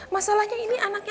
masalahnya ini anaknya